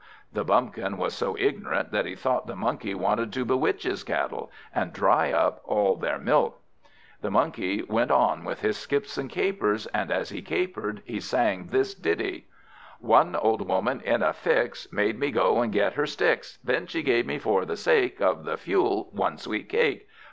The Bumpkin was so ignorant that he thought the Monkey wanted to bewitch his cattle, and dry up all their milk. The Monkey went on with his skips and capers, and as he capered, he sang this ditty: "One old Woman, in a fix, Made me go and get her sticks; Then she gave me, for the sake Of the fuel, one sweet cake.